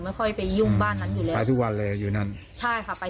ไม่ค่อยไปยุ่งบ้านนั้นอยู่แล้วไปทุกวันเลยอยู่นั่นใช่ค่ะไป